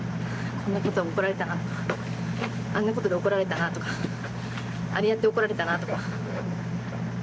こんなことで怒られたなとか、あんなことで怒られたなとか、あれやって怒られたなとか。